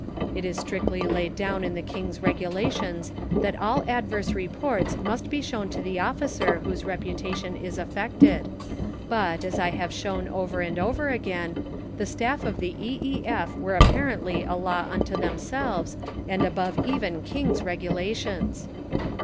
It is strictly laid down in the King's Regulations that all adverse reports must be shown to the officer whose reputation is affected, but, as I have shown over and over again, the Staff of the E.E.F. were apparently a law unto themselves and above even King's Regulations!